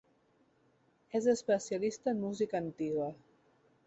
És especialista en música antiga.